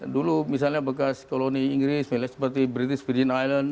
dulu misalnya bekas koloni inggris misalnya seperti british virgin island